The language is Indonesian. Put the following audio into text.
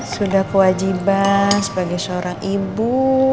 sudah kewajiban sebagai seorang ibu